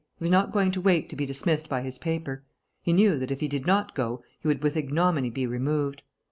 He was not going to wait to be dismissed by his paper. He knew that, if he did not go, he would with ignominy be removed.